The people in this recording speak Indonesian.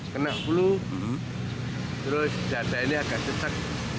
kena flu terus jatah ini agak sesak